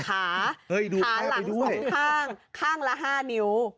ขาขาหลัง๒ข้างข้างละ๕นิ้ว